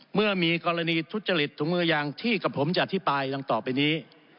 เมื่อมีกรณีทุจริตถุงมือยางที่กับผมจะอธิบายดังต่อไปนี้